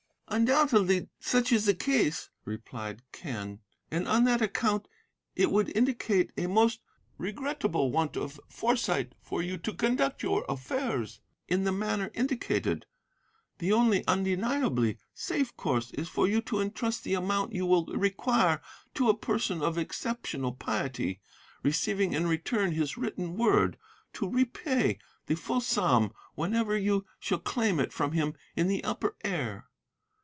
"'Undoubtedly such is the case,' replied Quen; 'and on that account it would indicate a most regrettable want of foresight for you to conduct your affairs in the manner indicated. The only undeniably safe course is for you to entrust the amount you will require to a person of exceptional piety, receiving in return his written word to repay the full sum whenever you shall claim it from him in the Upper Air.